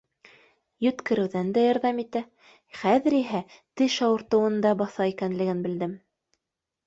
Йүткереүҙән дә ярҙам итә, хәҙер иһә теш ауыртыуын да баҫа икәнлеген белдем.